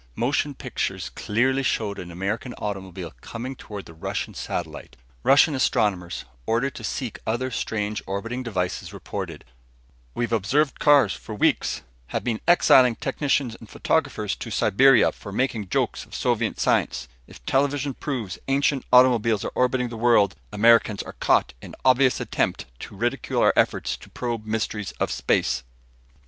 Motion pictures clearly showed an American automobile coming toward the Russian satellite. Russian astronomers ordered to seek other strange orbiting devices reported: "We've observed cars for weeks. Have been exiling technicians and photographers to Siberia for making jokes of Soviet science. If television proves ancient automobiles are orbiting the world, Americans are caught in obvious attempt to ridicule our efforts to probe mysteries of space."